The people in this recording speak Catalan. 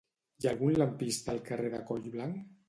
Hi ha algun lampista al carrer de Collblanc?